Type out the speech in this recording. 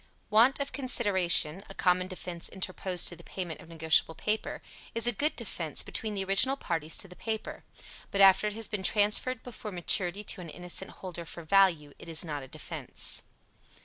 Want of consideration a common defense interposed to the payment of negotiable paper is a good defense between the original parties to the paper; but after it has been transferred before maturity to an innocent holder for value it is not a defense.